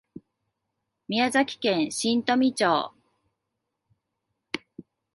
宮崎県新富町